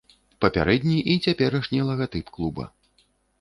Папярэдні і цяперашні лагатып клуба.